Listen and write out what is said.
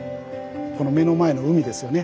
この目の前の海ですよね。